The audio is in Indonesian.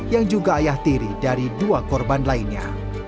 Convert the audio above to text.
yang juga ayah tiri dari dua korban lainnya